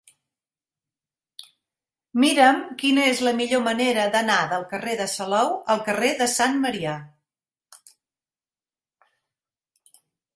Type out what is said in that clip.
Mira'm quina és la millor manera d'anar del carrer de Salou al carrer de Sant Marià.